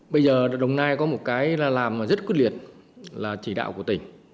bây giờ đồng nai có một cái làm rất quyết liệt là chỉ đạo của tỉnh